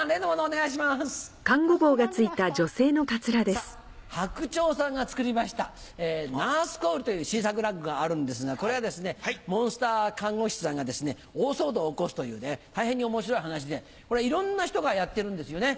さぁ白鳥さんが作りました『ナースコール』という新作落語があるんですがこれはモンスター看護師さんが大騒動を起こすという大変に面白い噺でこれはいろんな人がやってるんですよね。